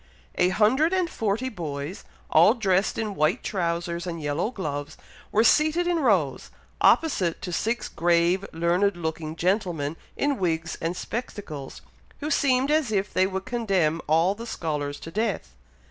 A hundred and forty boys, all dressed in white trowsers and yellow gloves, were seated in rows, opposite to six grave learned looking gentlemen, in wigs and spectacles, who seemed as if they would condemn all the scholars to death!